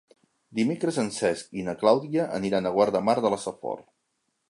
Dimecres en Cesc i na Clàudia aniran a Guardamar de la Safor.